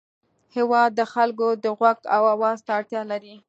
هېواد د خلکو د غوږ او اواز ته اړتیا لري.